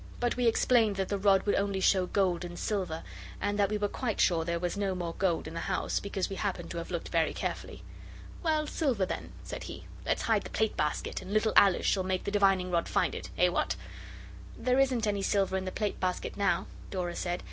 But we explained that the rod would only show gold and silver, and that we were quite sure there was no more gold in the house, because we happened to have looked very carefully. 'Well, silver, then,' said he; 'let's hide the plate basket, and little Alice shall make the divining rod find it. Eh! what?' 'There isn't any silver in the plate basket now,' Dora said.